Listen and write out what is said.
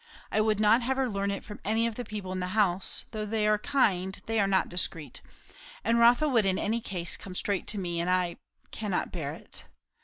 I would not have her learn it from any of the people in the house; though they are kind, they are not discreet; and Rotha would in any case come straight to me; and I cannot bear it.